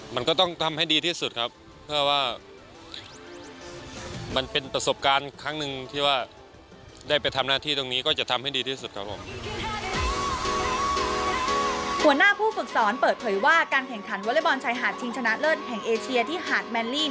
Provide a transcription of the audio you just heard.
มันก็ต้องทำให้ดีที่สุดครับ